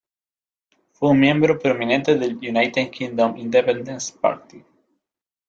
Fue miembro prominente del United Kingdom Independence Party.